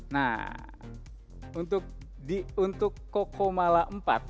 nah untuk di untuk kokomala empat